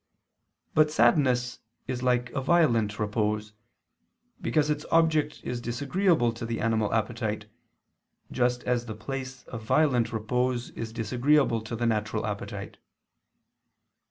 But sadness is like a violent repose; because its object is disagreeable to the animal appetite, just as the place of violent repose is disagreeable to the natural appetite.